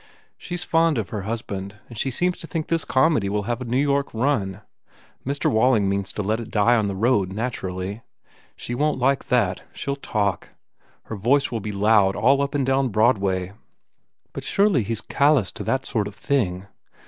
She s fond of her husband and she seems to think this comedy will have a New York run. Mr. Walling means to let it die on the road, naturally. She won t like that. She ll talk. Her voice will be loud all up and down Broadway." "But surely he s callous to that sort of thing?"